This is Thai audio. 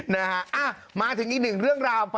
นะฮะมาถึงอีกหนึ่งเรื่องราว